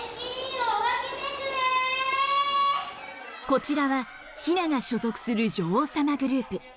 こちらはヒナが所属する女王様グループ。